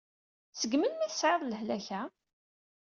Seg melmi i tesɛiḍ lehlak-a?